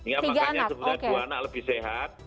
ya makanya sebenarnya dua anak lebih sehat